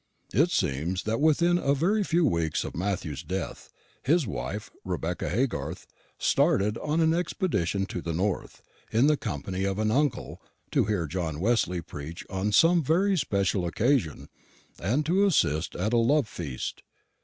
"It seems that within a very few weeks of Matthew's death, his wife, Rebecca Haygarth, started on an expedition to the north, in the company of an uncle, to hear John Wesley preach on some very special occasion, and to assist at a love feast.